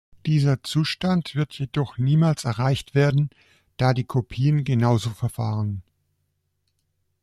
Dieser Zustand wird jedoch niemals erreicht werden, da die Kopien genauso verfahren.